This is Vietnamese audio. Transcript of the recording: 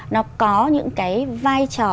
nó có những cái vai trò